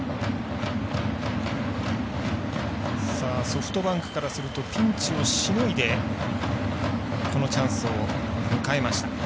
ソフトバンクからするとピンチをしのいでこのチャンスを迎えました。